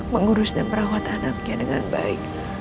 mengurus dan merawat anaknya dengan baik